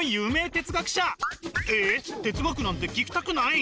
哲学なんて聞きたくない？